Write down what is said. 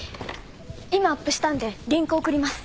今アップしたんでリンク送ります。